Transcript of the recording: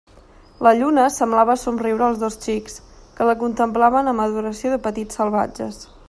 La lluna semblava somriure als dos xics, que la contemplaven amb adoració de petits salvatges.